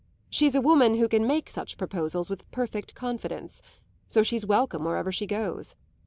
She's a woman who can make such proposals with perfect confidence; she's so welcome wherever she goes.